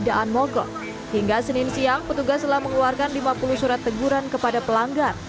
daan mogok hingga senin siang petugas telah mengeluarkan lima puluh surat teguran kepada pelanggar